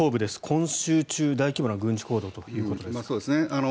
今週中に大規模な軍事行動ということですが。